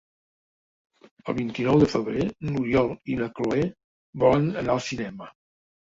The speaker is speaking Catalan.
El vint-i-nou de febrer n'Oriol i na Cloè volen anar al cinema.